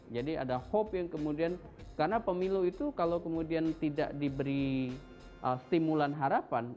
jadi ada hope yang kemudian karena pemilu itu kalau kemudian tidak diberi stimulan harapan